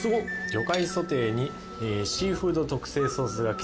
魚介ソテーにシーフード特製ソース掛け。